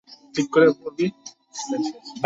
সবসময় তার যখন মন খারাপ থাকে, আমি তার মন ভালো করে দিই।